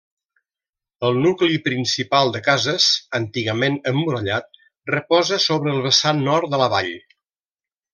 El nucli principal de cases, antigament emmurallat, reposa sobre el vessant nord de la vall.